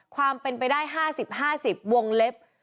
ความเป็นไปได้๕๐๕๐วงเล็บ